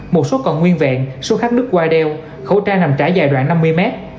một số còn nguyên vẹn số khác đứt qua đeo khẩu trang nằm trải dài đoạn năm mươi mét